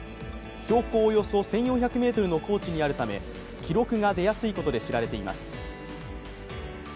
標高およそ１４００ｍの高地にあるため記録が出やすいことで知られています。